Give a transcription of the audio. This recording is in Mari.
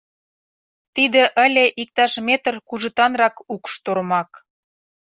Тиде ыле иктаж метр кужытанрак укш-тормак.